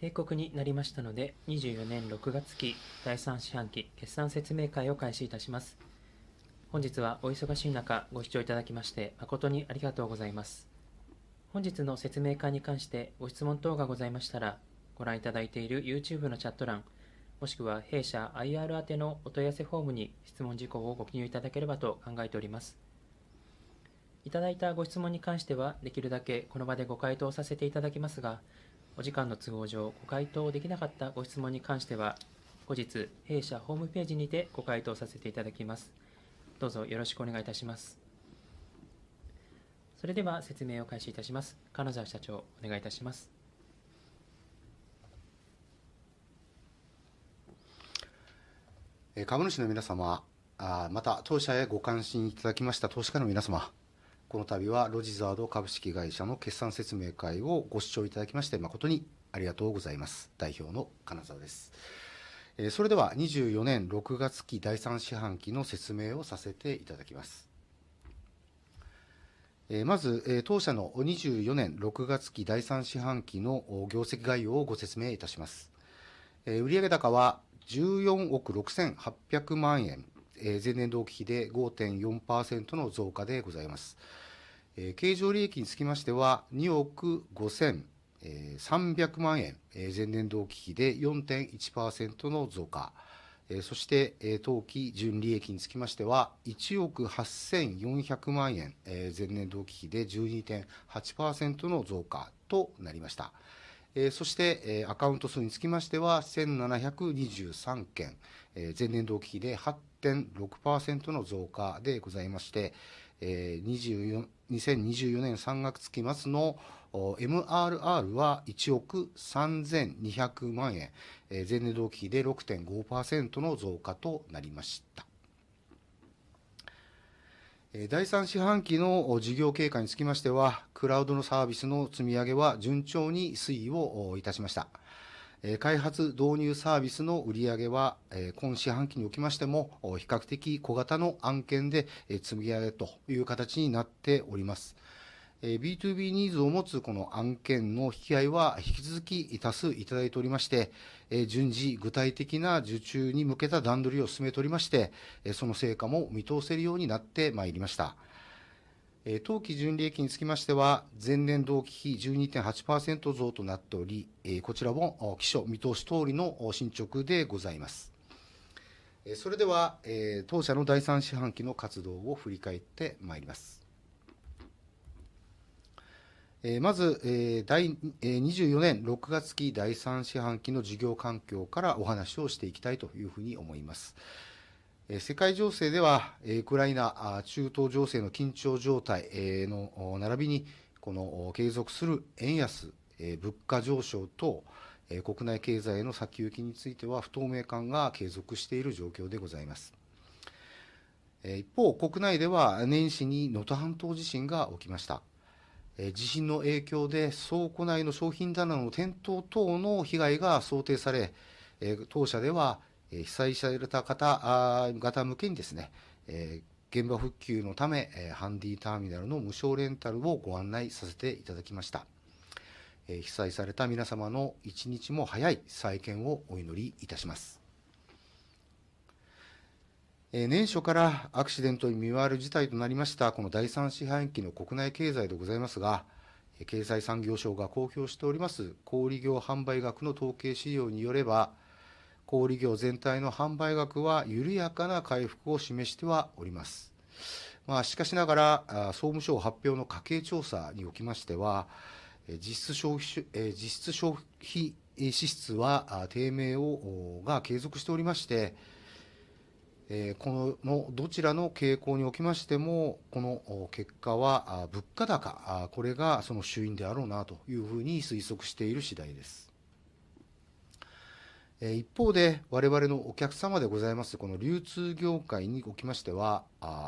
定刻になりましたので、24年6月期第3四半期決算説明会を開始いたします。本日はお忙しい中、ご視聴いただきまして誠にありがとうございます。本日の説明会に関してご質問等がございましたら、ご覧いただいている YouTube のチャット欄、もしくは弊社 IR 宛のお問い合わせフォームに質問事項をご記入いただければと考えております。いただいたご質問に関しては、できるだけこの場でご回答させていただきますが、お時間の都合上、ご回答できなかったご質問に関しては、後日弊社ホームページにてご回答させていただきます。どうぞよろしくお願いいたします。それでは説明を開始いたします。金澤社長、お願いいたします。株主の皆様、また、当社へご関心いただきました投資家の皆様、この度はロジザード株式会社の決算説明会をご視聴いただきまして、誠にありがとうございます。代表の金澤です。それでは24年6月期第3四半期の説明をさせていただきます。まず、当社の24年6月期第3四半期の業績概要をご説明いたします。売上高は14億 6,800 万円、前年同期比で 5.4% の増加でございます。経常利益につきましては、2億 5,300 万円、前年同期比で 4.1% の増加、そして当期純利益につきましては1億 8,400 万円、前年同期比で 12.8% の増加となりました。そして、アカウント数につきましては、1,723 件、前年同期比で 8.6% の増加でございまして、2024年3月期末の MRR は1億 3,200 万円、前年同期比で 6.5% の増加となりました。第3四半期の事業経過につきましては、クラウドのサービスの積み上げは順調に推移をいたしました。開発導入サービスの売上は、今四半期におきましても比較的小型の案件で積み上げという形になっております。BtoB ニーズを持つこの案件の引き合いは引き続き多数いただいておりまして、順次具体的な受注に向けた段取りを進めておりまして、その成果も見通せるようになってまいりました。当期純利益につきましては、前年同期比 12.8% 増となっており、こちらも期初見通し通りの進捗でございます。それでは、当社の第3四半期の活動を振り返ってまいります。まず、第24年6月期第3四半期の事業環境からお話をしていきたいというふうに思います。世界情勢では、ウクライナ、中東情勢の緊張状態の並びに、この継続する円安、物価上昇と国内経済の先行きについては不透明感が継続している状況でございます。一方、国内では年始に能登半島地震が起きました。地震の影響で倉庫内の商品棚の転倒等の被害が想定され、当社では被災された方々向けに、現場復旧のためハンディターミナルの無償レンタルをご案内させていただきました。被災された皆様の1日も早い再建をお祈りいたします。年初からアクシデントに見舞われる事態となりました。この第3四半期の国内経済でございますが、経済産業省が公表しております小売業販売額の統計資料によれば、小売業全体の販売額は緩やかな回復を示しております。しかしながら、総務省発表の家計調査におきましては、実質消費、実質消費支出は低迷が継続しておりまして、このどちらの傾向におきましても、この結果は物価高、これがその主因であろうなというふうに推測している次第です。一方で、我々のお客様でございます。この流通業界におきましては、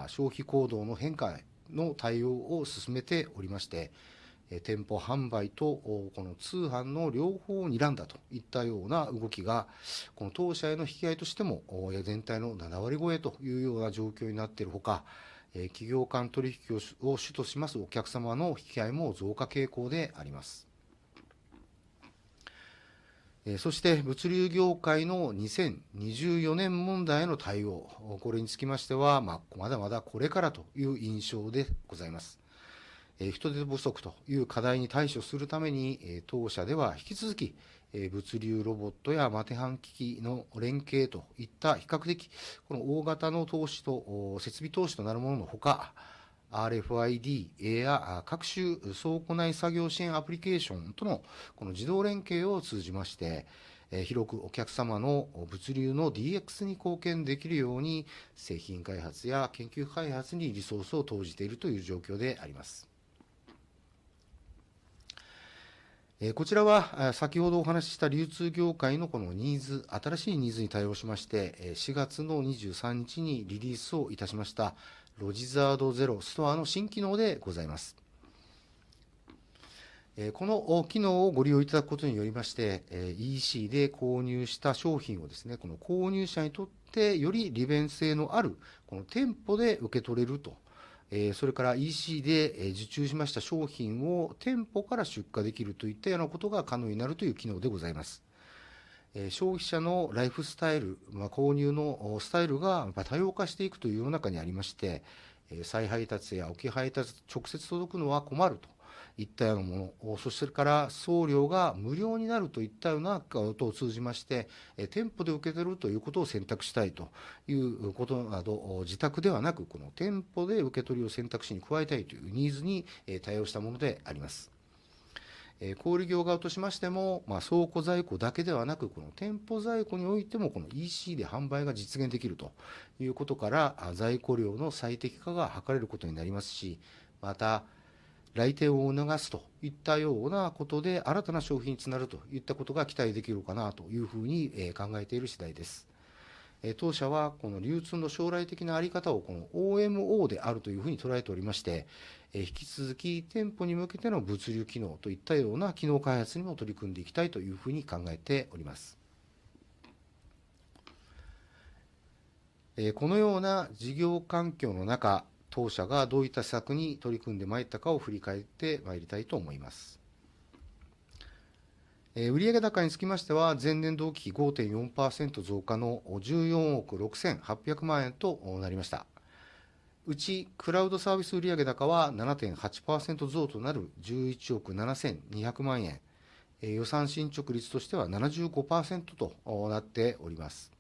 消費行動の変化への対応を進めておりまして、店舗販売とこの通販の両方を睨んだといったような動きが、この当社への引き合いとしても全体の 70% 超えというような状況になっているほか、企業間取引を主としますお客様の引き合いも増加傾向であります。そして、物流業界の2024年問題への対応、これにつきましては、まだまだこれからという印象でございます。人手不足という課題に対処するために、当社では引き続き物流ロボットや現場機器の連携といった比較的大型の投資と設備投資となるもののほか、RFID や各種倉庫内作業支援アプリケーションとの自動連携を通じまして、広くお客様の物流の DX に貢献できるように、製品開発や研究開発にリソースを投じているという状況であります。こちらは先ほどお話しした流通業界のこのニーズ、新しいニーズに対応しまして、4月の23日にリリースをいたしましたロジザード zero ストアの新機能でございます。この機能をご利用いただくことによりまして、EC で購入した商品をですね、この購入者にとってより利便性のある店舗で受け取れると。それから、EC で受注しました商品を店舗から出荷できるといったようなことが可能になるという機能でございます。消費者のライフスタイル、購入のスタイルが多様化していくという中にありまして、再配達や置き配達、直接届くのは困るといったようなもの、そしてから送料が無料になるといったようなことを通じまして、店舗で受け取るということを選択したいということなど、自宅ではなく、店舗で受取を選択肢に加えたいというニーズに対応したものであります。小売業側としましても、倉庫在庫だけではなく、店舗在庫においても EC で販売が実現できるということから、在庫量の最適化が図れることになりますし、また来店を促すといったようなことで新たな消費につながるといったことが期待できるかなというふうに考えている次第です。当社は、この流通の将来的なあり方を OMO であるというふうに捉えておりまして、引き続き店舗に向けての物流機能といったような機能開発にも取り組んでいきたいというふうに考えております。このような事業環境の中、当社がどういった施策に取り組んでまいったかを振り返ってまいりたいと思います。売上高につきましては、前年同期比 5.4% 増加の14億 6,800 万円となりました。うちクラウドサービス売上高は 7.8% 増となる11億 7,200 万円。予算進捗率としては 75% となっております。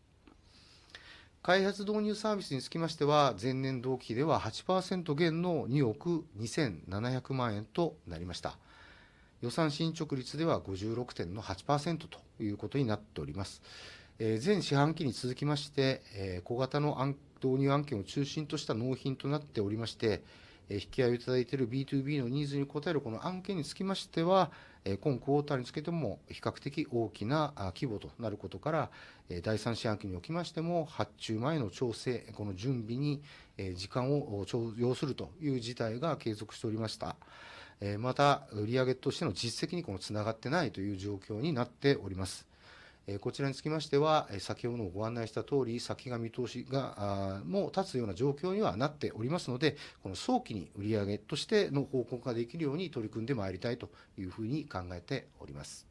開発導入サービスにつきましては、前年同期比では 8% 減の2億 2,700 万円となりました。予算進捗率では 56.8% ということになっております。前四半期に続きまして、小型の導入案件を中心とした納品となっておりまして、引き合いをいただいている BtoB のニーズに応えるこの案件につきましては、今クォーターにつけても比較的大きな規模となることから、第3四半期におきましても、発注前の調整、この準備に時間を要するという事態が継続しておりました。また、売上としての実績につながっていないという状況になっております。こちらにつきましては、先ほどのご案内したとおり、先が見通しも立つような状況になっておりますので、この早期に売上としての報告ができるように取り組んでまいりたいというふうに考えております。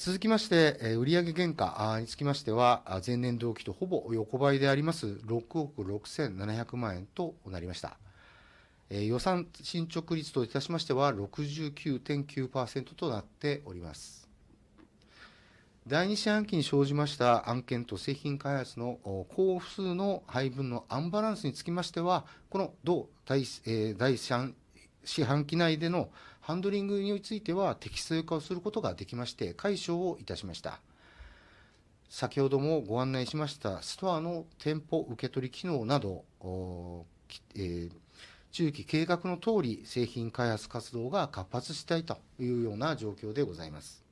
続きまして、売上原価につきましては、前年同期とほぼ横ばいであります。6億 6,700 万円となりました。予算進捗率といたしましては 69.9% となっております。第2四半期に生じました案件と製品開発の工数の配分のアンバランスにつきましては、この同第3四半期内でのハンドリングについては適正化をすることができまして、解消をいたしました。先ほどもご案内しましたストアの店舗受取機能など、中期計画のとおり製品開発活動が活発化したいというような状況でございます。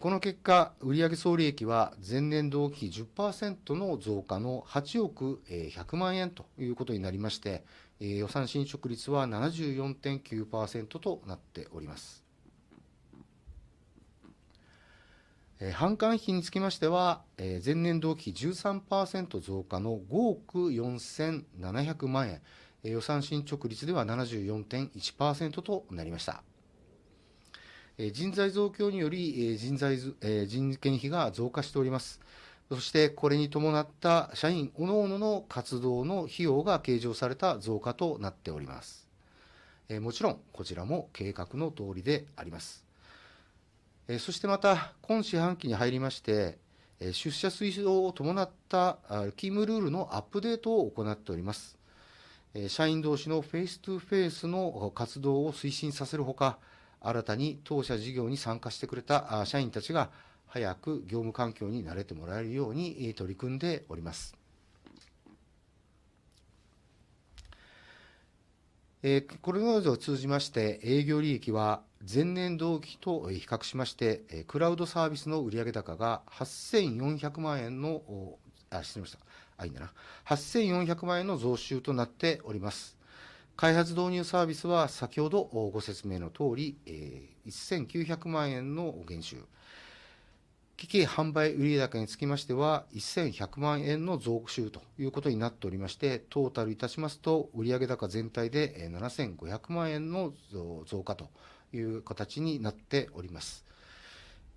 この結果、売上総利益は前年同期比 10% の増加の8億100万円ということになりまして、予算進捗率は 74.9% となっております。販管費につきましては、前年同期比 13% 増加の5億 4,700 万円。予算進捗率では 74.1% となりました。人材増強により人件費が増加しております。そして、これに伴った社員各々の活動の費用が計上された増加となっております。もちろん、こちらも計画の通りであります。そしてまた、今四半期に入りまして、出社推奨を伴った勤務ルールのアップデートを行っております。社員同士のフェースツーフェースの活動を推進させるほか、新たに当社事業に参加してくれた社員たちが早く業務環境に慣れてもらえるように取り組んでおります。これなどを通じまして、営業利益は前年同期と比較しまして、クラウドサービスの売上高が ¥8,400 万円の増収となっております。開発導入サービスは先ほどご説明のとおり ¥1,900 万円の減収、機器販売売上高につきましては ¥1,100 万円の増収ということになっておりまして、トータルいたしますと、売上高全体で ¥7,500 万円の増加という形になっております。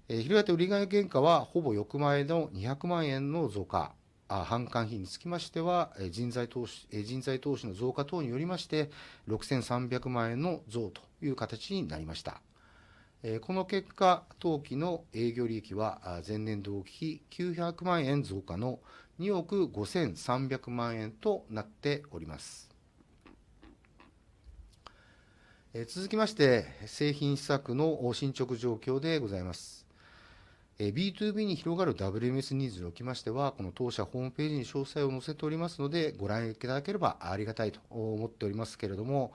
肥料と売上原価はほぼ横ばいの ¥200 万円の増加。販管費につきましては、人材投資、人材投資の増加等によりまして、6,300 万円の増という形になりました。この結果、当期の営業利益は前年同期比900万円増加の2億 5,300 万円となっております。続きまして、製品施策の進捗状況でございます。BTOB に広がる WMS ニーズにおきましては、この当社ホームページに詳細を載せておりますので、ご覧いただければありがたいと思っておりますけれども、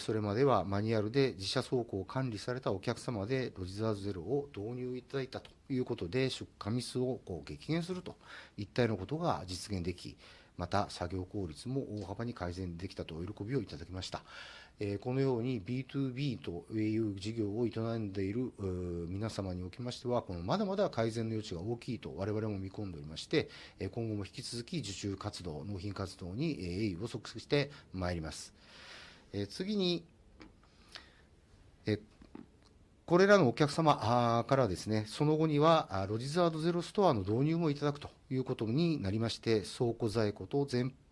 それまではマニュアルで自社倉庫を管理されたお客様でロジザードゼロを導入いただいたということで、出荷ミスを激減するといったようなことが実現でき、また作業効率も大幅に改善できたと喜びをいただきました。このように BTOB という事業を営んでいる皆様におきましては、まだまだ改善の余地が大きいと我々も見込んでおりまして、今後も引き続き受注活動、納品活動に鋭意を尽くしてまいります。次に、これらのお客様からですね、その後にはロジザードゼロストアの導入もいただくということになりまして、倉庫在庫と全館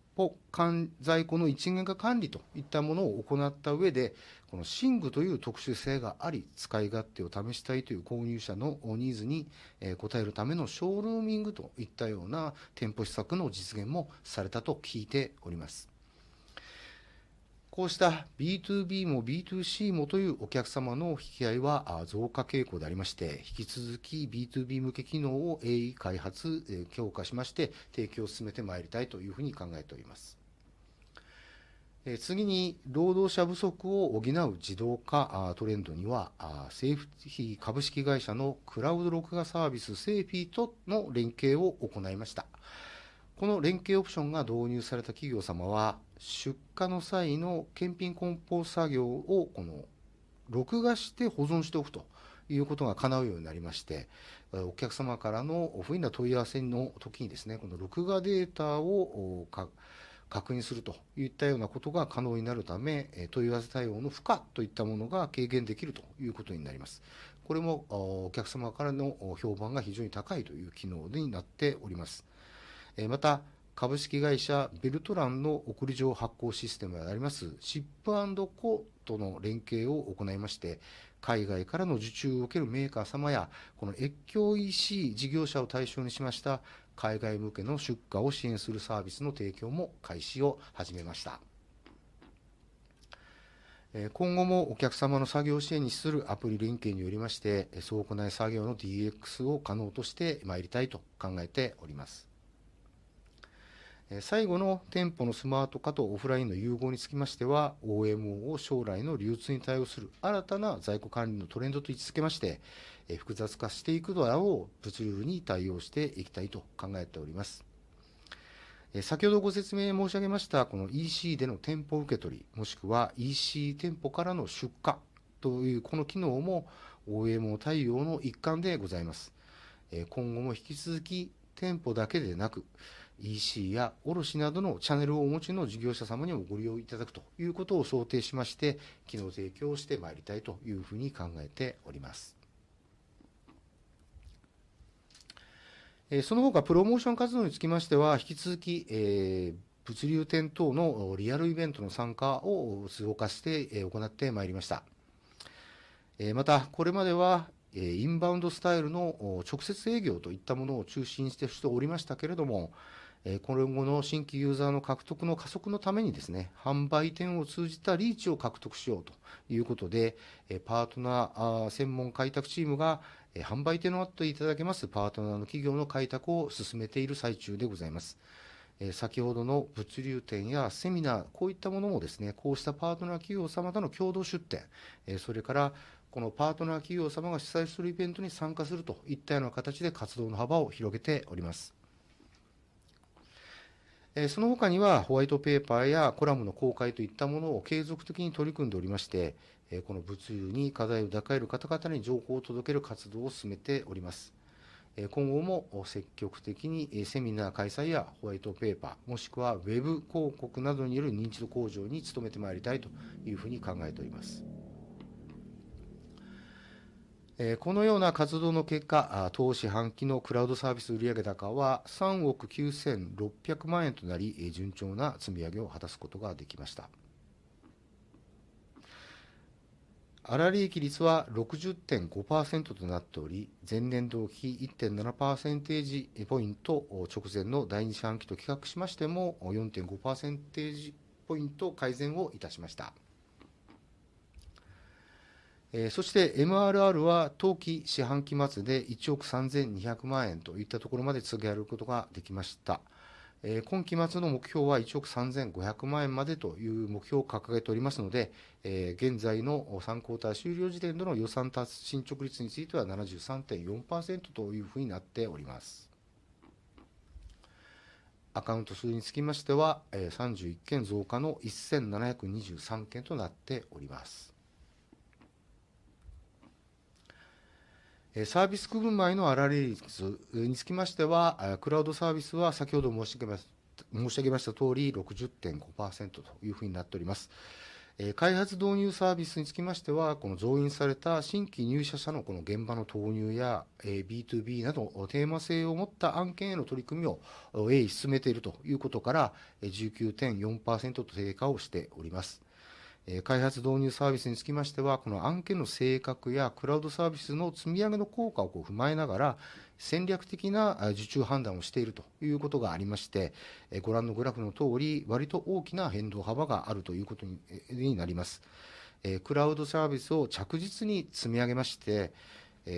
在庫の一元化管理といったものを行った上で、この寝具という特殊性があり、使い勝手を試したいという購入者のニーズに応えるためのショールーミングといったような店舗施策の実現もされたと聞いております。こうした BtoB も BtoC もというお客様の引き合いは増加傾向でありまして、引き続き BtoB 向け機能を鋭意開発、強化しまして、提供を進めてまいりたいというふうに考えております。次に、労働者不足を補う自動化トレンドには、セーフィ株式会社のクラウド録画サービスセーフィとの連携を行いました。この連携オプションが導入された企業様は、出荷の際の検品梱包作業を録画して保存しておくということが叶うようになりまして、お客様からの不意な問い合わせの時にですね、この録画データを確認するといったようなことが可能になるため、問い合わせ対応の負荷といったものが軽減できるということになります。これもお客様からの評判が非常に高いという機能になっております。また、株式会社ベルトランの送り状発行システムでありますシップアンドコとの連携を行いまして、海外からの受注を受けるメーカー様や越境 EC 事業者を対象にしました。海外向けの出荷を支援するサービスの提供も開始を始めました。今後もお客様の作業支援に資するアプリ連携によりまして、倉庫内作業の DX を可能としてまいりたいと考えております。最後の店舗のスマート化とオフラインの融合につきましては、OMO を将来の流通に対応する新たな在庫管理のトレンドと位置付けまして、複雑化していくのを物流に対応していきたいと考えております。先ほどご説明申し上げました、この EC での店舗受け取り、もしくは EC 店舗からの出荷という、この機能も OMO 対応の一環でございます。今後も引き続き、店舗だけでなく、EC や卸などのチャネルをお持ちの事業者様にもご利用いただくということを想定しまして、機能提供してまいりたいというふうに考えております。その他、プロモーション活動につきましては、引き続き物流、店頭のリアルイベントの参加を強化して行ってまいりました。また、これまではインバウンドスタイルの直接営業といったものを中心にしておりましたけれども、今後の新規ユーザーの獲得の加速のためにですね、販売店を通じたリーチを獲得しようということで、パートナー専門開拓チームが販売店の開拓を進めております。パートナー企業の開拓を進めている最中でございます。先ほどの物流店やセミナー、こういったものをですね、こうしたパートナー企業様との共同出展、それからこのパートナー企業様が主催するイベントに参加するといったような形で活動の幅を広げております。その他には、ホワイトペーパーやコラムの公開といったものを継続的に取り組んでおりまして、この物流に課題を抱える方々に情報を届ける活動を進めております。今後も積極的にセミナー開催やホワイトペーパー、もしくはウェブ広告などによる認知度向上に努めてまいりたいというふうに考えております。このような活動の結果、当四半期のクラウドサービス売上高は3億 9,600 万円となり、順調な積み上げを果たすことができました。粗利益率は 60.5% となっており、前年同期比 1.7 パーセンテージポイント、直前の第2四半期と比較しましても、4.5 パーセンテージポイント改善をいたしました。そして、MRR は当期四半期末で1億 3,200 万円といったところまで積み上げることができました。今期末の目標は1億 3,500 万円までという目標を掲げておりますので、現在の3四半期終了時点での予算達成進捗率については 73.4% というふうになっております。アカウント数につきましては、31件増加の 1,723 件となっております。サービス区分毎の粗利率につきましては、クラウドサービスは先ほど申し上げました通り、60.5% というふうになっております。開発導入サービスにつきましては、この増員された新規入社者のこの現場の投入や、BtoB などテーマ性を持った案件への取り組みを鋭意進めているということから、19.4% と低下をしております。開発導入サービスにつきましては、この案件の性格やクラウドサービスの積み上げの効果を踏まえながら、戦略的な受注判断をしているということがありまして、ご覧のグラフのとおり、割と大きな変動幅があるということになります。クラウドサービスを着実に積み上げまして、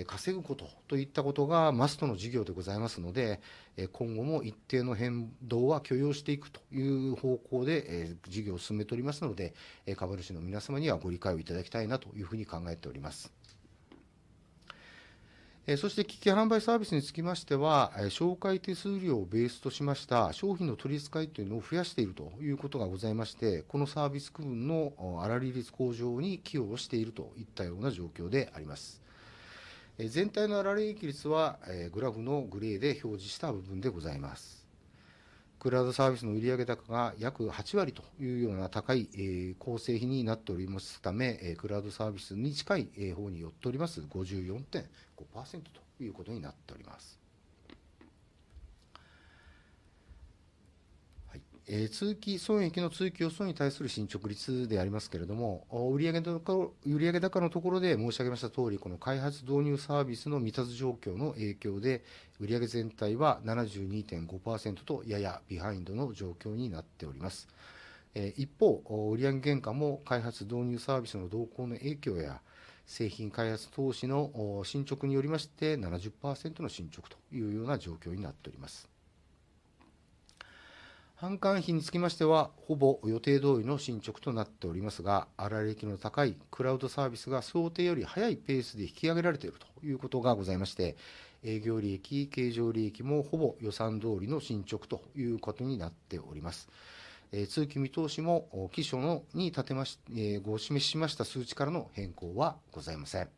稼ぐことといったことがマストの事業でございますので、今後も一定の変動は許容していくという方向で事業を進めておりますので、株主の皆様にはご理解をいただきたいなというふうに考えております。そして、機器販売サービスにつきましては、紹介手数料をベースとしました商品の取り扱いというのを増やしているということがございまして、このサービス区分の粗利率向上に寄与をしているといったような状況であります。全体の粗利益率はグラフのグレーで表示した部分でございます。クラウドサービスの売上高が約8割というような高い構成比になっておりますため、クラウドサービスに近い方に寄っております。54.5% ということになっております。えー、通期損益の通期予想に対する進捗率でありますけれども、売上高、売上高のところで申し上げましたとおり、この開発導入サービスの未達状況の影響で、売上全体は 72.5% とややビハインドの状況になっております。一方、売上原価も開発導入サービスの動向の影響や製品開発投資の進捗によりまして、70% の進捗というような状況になっております。販管費につきましては、ほぼ予定通りの進捗となっておりますが、粗利益の高いクラウドサービスが想定より早いペースで引き上げられているということがございまして、営業利益、経常利益もほぼ予算通りの進捗ということになっております。通期見通しも期初に立てまして、ご提示しました数値からの変更はございません。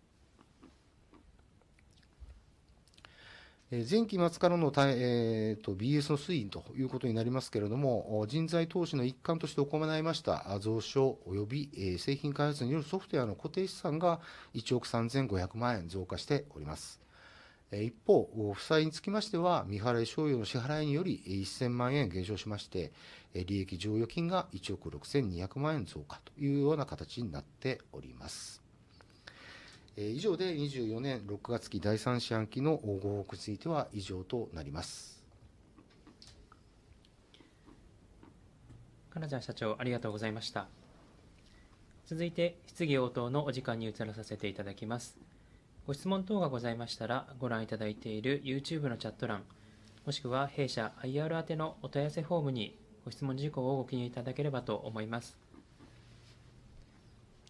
前期末からの BS の推移ということになりますけれども、人材投資の一環として行いました増資及び製品開発によるソフトウェアの固定資産が ¥135,000,000 増加しております。一方、負債につきましては、未払消費の支払いにより ¥10,000,000 減少しまして、利益剰余金が ¥162,000,000 増加というような形になっております。以上で二十四年六月期第三四半期の報告については以上となります。金澤社長、ありがとうございました。続いて、質疑応答のお時間に移らせていただきます。ご質問等がございましたら、ご覧いただいている YouTube のチャット欄、もしくは弊社 IR 宛てのお問い合わせフォームにご質問事項をご記入いただければと思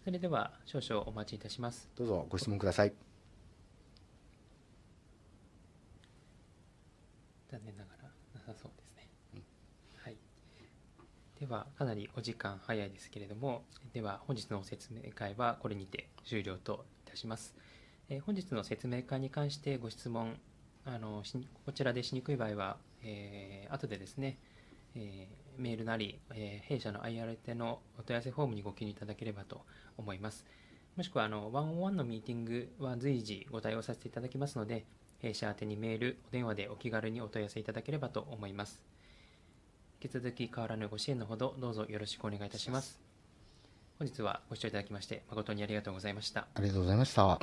います。それでは少々お待ちいたします。どうぞご質問ください。残念ながらなさそうですね。はい。では、かなりお時間早いですけれども、では、本日の説明会はこれにて終了といたします。本日の説明会に関してご質問、こちらでしにくい場合は後でですね、メールなり、弊社の IR あてのお問い合わせフォームにご記入いただければと思います。もしくはワンオンワンのミーティングは随時ご対応させていただきますので、弊社宛にメール、電話でお気軽にお問い合わせいただければと思います。引き続き変わらぬご支援のほど、どうぞよろしくお願いいたします。本日はご視聴いただきまして、誠にありがとうございました。ありがとうございました。